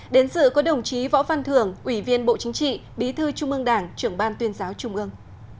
đến dự có đồng chí võ văn thưởng ủy viên bộ chính trị bí thư trung ương đảng trưởng ban tuyên giáo trung ương